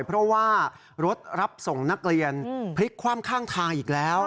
เพราะว่ารถรับส่งนักเรียนพลิกคว่ำข้างทางอีกแล้ว